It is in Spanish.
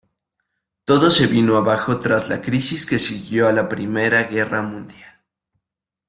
Todo se vino abajo tras la crisis que siguió a la Primera Guerra Mundial.